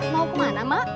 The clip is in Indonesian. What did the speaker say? mau kemana mak